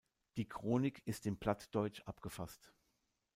Die Chronik ist in plattdeutsch abgefasst.